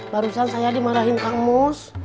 barusan saya dimarahin kamus